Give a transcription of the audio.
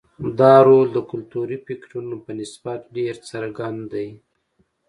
دا رول د کلتوري فکټورونو په نسبت ډېر څرګند دی.